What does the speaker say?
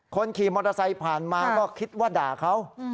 คนขี่มอเตอร์ไซค์ผ่านมาก็คิดว่าด่าเขา